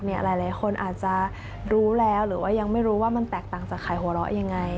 หลายคนอาจจะรู้แล้วหรือว่ายังไม่รู้ว่ามันแตกต่างจากขายหัวเราะยังไง